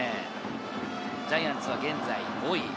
ジャイアンツは現在５位。